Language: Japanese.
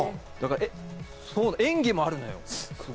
演技もあるのよ。